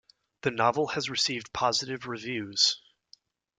The novel has received positive reviews.